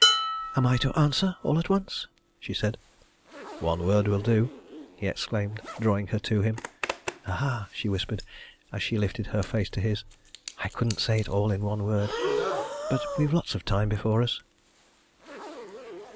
"Am I to answer all at once?" she said. "One word will do!" he exclaimed, drawing her to him. "Ah!" she whispered as she lifted her face to his. "I couldn't say it all in one word. But we've lots of time before us!"